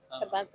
anda mau kemana